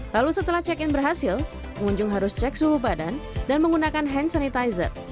lalu setelah check in berhasil pengunjung harus cek suhu badan dan menggunakan hand sanitizer